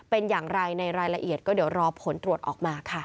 เป็นอย่างไรในรายละเอียดก็เดี๋ยวรอผลตรวจออกมาค่ะ